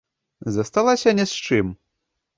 Засталася ні з чым.